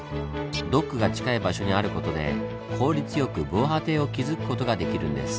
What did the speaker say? ドックが近い場所にあることで効率よく防波堤を築くことができるんです。